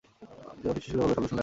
দিপা ফিসফিস করে বলল, শব্দ শুনলেন?